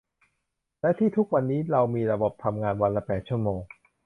และที่ทุกวันนี้เรามีระบบทำงานวันละแปดชั่วโมง